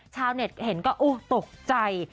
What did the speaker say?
ชาวเน็ตเห็นก็ตกใจ